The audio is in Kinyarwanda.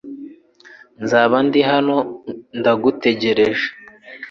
Nzaba ndi hano ndagutegereje .